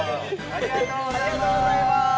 ありがとうございます！